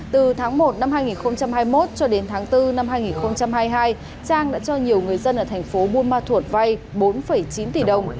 từ tháng một năm hai nghìn hai mươi một cho đến tháng bốn năm hai nghìn hai mươi hai trang đã cho nhiều người dân ở thành phố buôn ma thuột vay bốn chín tỷ đồng